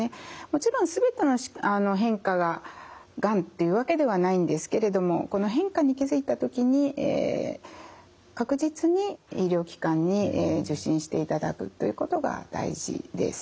もちろん全ての変化ががんというわけではないんですけれどもこの変化に気づいた時に確実に医療機関に受診していただくということが大事です。